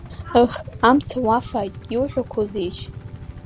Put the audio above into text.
Ых, амца уафааит, иуҳәақәозеишь?